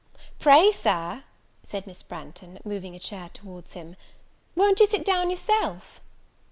"Pray, Sir," said Miss Branghton, moving a chair towards him, "won't you sit down yourself?"